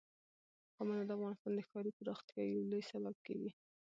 قومونه د افغانستان د ښاري پراختیا یو لوی سبب کېږي.